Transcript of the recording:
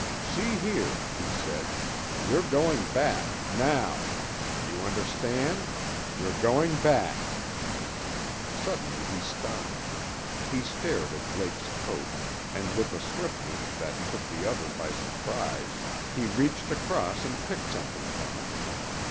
"See here," he said, "you're going back now! Do you understand? You're going back!" Suddenly he stopped. He stared at Blake's coat, and with a swiftness that took the other by surprise he reached across and picked something from it.